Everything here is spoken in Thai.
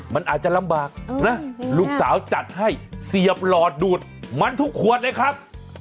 มันอาจจะลำบากนะลูกสาวจัดให้เสียบหลอดดูดมันทุกขวดเลยครับ